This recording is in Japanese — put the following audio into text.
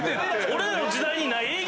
俺らの時代にない営業。